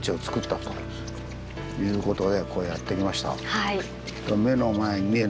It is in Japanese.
はい。